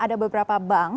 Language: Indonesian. ada beberapa bank